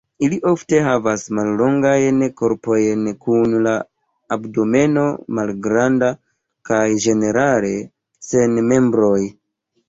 Ili ofte havas mallongajn korpojn, kun la abdomeno malgranda, kaj ĝenerale sen membroj.